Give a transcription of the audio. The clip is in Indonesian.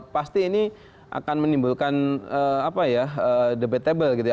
pasti ini akan menimbulkan debatable gitu ya